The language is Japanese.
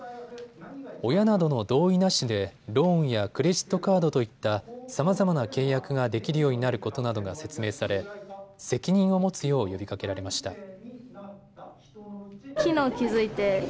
親などの同意なしでローンやクレジットカードといったさまざまな契約ができるようになることなどが説明され責任を持つよう呼びかけられました。